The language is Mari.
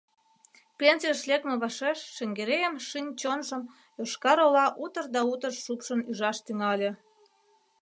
Пенсийыш лекме вашеш Шаҥгерейын шӱм-чонжым Йошкар-Ола утыр да утыр шупшын ӱжаш тӱҥале.